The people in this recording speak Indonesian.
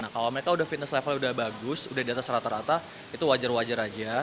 kalau mereka fitness levelnya sudah bagus sudah di atas rata rata itu wajar wajar aja